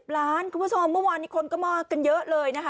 ล้านคุณผู้ชมเมื่อวานนี้คนก็มากันเยอะเลยนะคะ